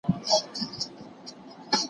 د قانون د اصولو رعایت به موږ سره مرسته وکړي.